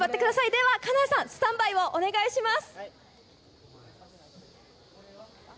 では金谷さん、スタンバイをお願いします。